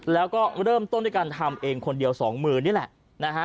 แล้วก็เริ่มต้นด้วยการทำเองคนเดียวสองมือนี่แหละนะฮะ